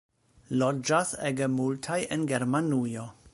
Loĝas ege multaj en Germanujo.